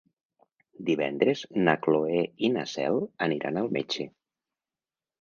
Divendres na Cloè i na Cel aniran al metge.